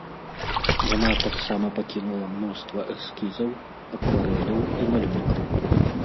Яна таксама пакінула мноства эскізаў, акварэляў і малюнкаў.